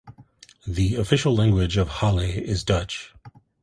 The official language of Halle is Dutch.